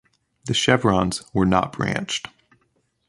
The chevrons were not branched.